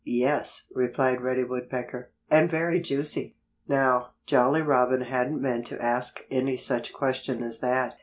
"Yes," replied Reddy Woodpecker, "and very juicy." Now, Jolly Robin hadn't meant to ask any such question as that.